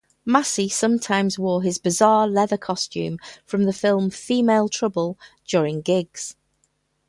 Massey sometimes wore his bizarre leather costume from the film "Female Trouble" during gigs.